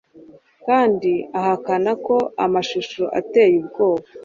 kandi ahakana ko amashusho ateye ubwoba